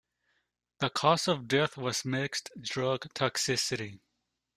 The cause of death was mixed drug toxicity.